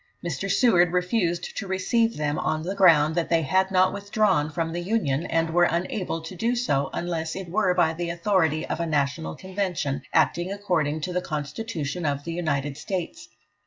Mr. Seward refused to receive them, on the ground that they had not withdrawn from the Union, and were unable to do so unless it were by the authority of a National Convention acting according to the Constitution of the United States.